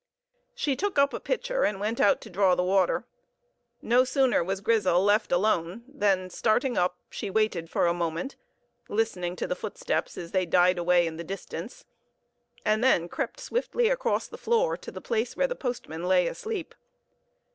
She took up a pitcher and went out to draw the water. No sooner was Grizel left alone than, starting up, she waited for a moment, listening to the footsteps as they died away in the distance, and then crept swiftly across the floor to the place where the postman lay asleep.